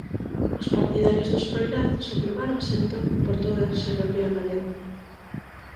Os partidarios dos Froilaz subleváronse entón por toda a xeografía galega.